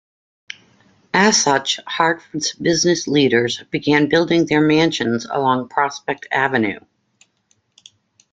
As such Hartford's business leaders began building their mansions along Prospect Avenue.